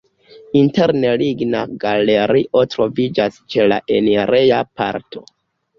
Interne ligna galerio troviĝas ĉe la enireja parto.